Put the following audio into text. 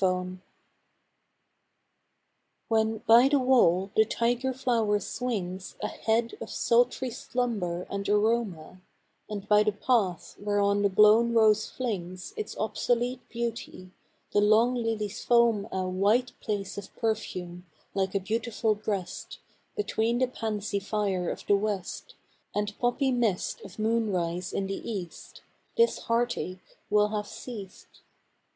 MOLY When by the wall the tiger flower swings A head of sultry slumber and aroma; And by the path, whereon the blown rose flings Its obsolete beauty, the long lilies foam a White place of perfume, like a beautiful breast; Between the pansy fire of the west, And poppy mist of moonrise in the east, This heartache will have ceased.